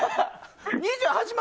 ２８万